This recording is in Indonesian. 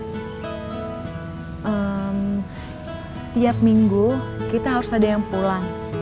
ehm tiap minggu kita harus ada yang pulang